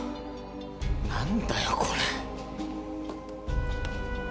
何だよこれ。